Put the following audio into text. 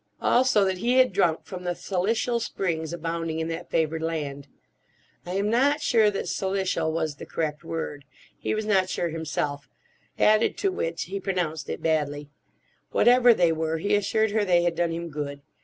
Also that he had drunk from the silicial springs abounding in that favoured land. I am not sure that "silicial" was the correct word. He was not sure himself: added to which he pronounced it badly. Whatever they were, he assured her they had done him good.